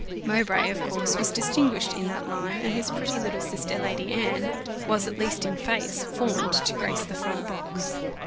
Mowbray, of course, was distinguished in that line, and his pretty little sister, Lady Anne, was, at least in face, formed to grace the front box.